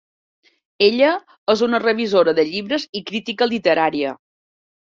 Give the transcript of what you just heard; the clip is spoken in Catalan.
Ella és una revisora de llibres i crítica literària.